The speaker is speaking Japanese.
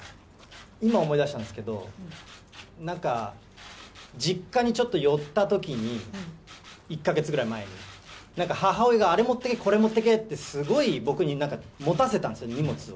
今、思い出したんですけど、なんか実家にちょっと寄ったときに、１か月ぐらい前に、なんか母親が、あれ持ってけ、これ持ってけって、すごい僕になんか、持たせたんですよ、荷物を。